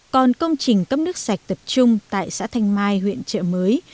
còn công trình cấp nước sạch tập trung tại xã thanh mai huyện trợ mới